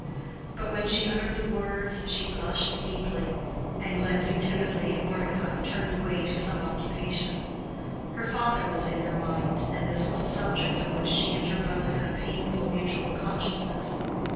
But when she uttered the words she blushed deeply, and glancing timidly at Mordecai, turned away to some occupation. Her father was in her mind, and this was a subject on which she and her brother had a painful mutual consciousness.